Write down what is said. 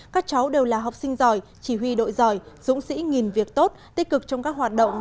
các cháu đều là học sinh giỏi chỉ huy đội giỏi dũng sĩ nghìn việc tốt tích cực trong các hoạt động